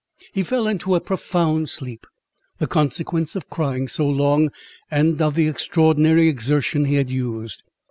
He fell into a profound sleep, the consequence of crying so long, and of the extraordinary exertion he had used.